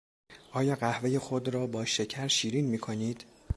آیا قهوهی خود را با شکر شیرین میکنید؟